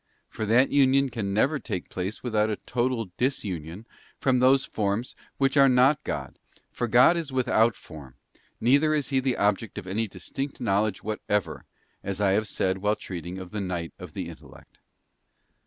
For that union can never take place without a, total disunion from these forms which are not God, for God is without form; neither is He the object of any distinct knowledge whatever, as I have said while treating of the Night of the Intellect.